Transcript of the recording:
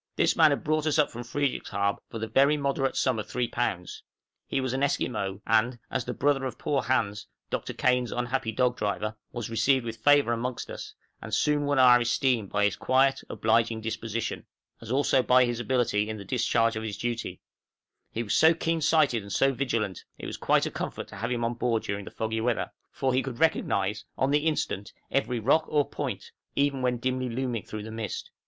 This man had brought us up from Frederickshaab for the very moderate sum of three pounds; he was an Esquimaux, and, as the brother of poor Hans, Dr. Kane's unhappy dog driver, was received with favor amongst us, and soon won our esteem by his quiet, obliging disposition, as also by his ability in the discharge of his duty; he was so keen sighted, and so vigilant, it was quite a comfort to have him on board during the foggy weather, for he could recognize, on the instant, every rock or point, even when dimly looming through the mist.